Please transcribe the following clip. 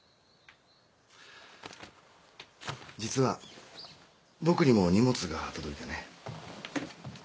実は僕にも荷物が届いてね。